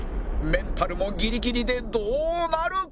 メンタルもギリギリでどうなる？